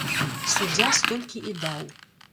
Суддзя столькі і даў.